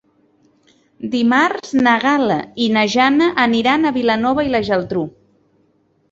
Dimarts na Gal·la i na Jana aniran a Vilanova i la Geltrú.